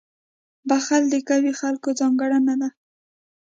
• بخښل د قوي خلکو ځانګړنه ده.